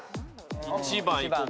１番いこうか。